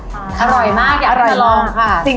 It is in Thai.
อร่อยมากอยากมาลองค่ะ